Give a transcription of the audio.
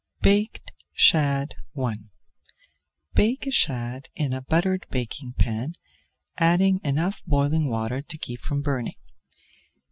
BAKED SHAD I Bake a shad in a buttered baking pan, adding enough boiling water to keep from burning.